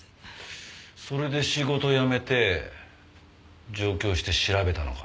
それで仕事辞めて上京して調べたのか。